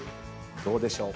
どうでしょう？